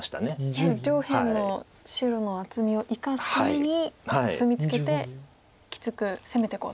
やはり上辺の白の厚みを生かすためにコスミツケてきつく攻めていこうと。